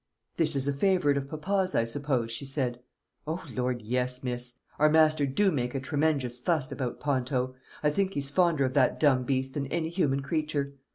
"This is a favourite of papa's, I suppose?" she said. "O Lord, yes, miss. Our master do make a tremenjous fust about Ponto. I think he's fonder of that dumb beast than any human creature.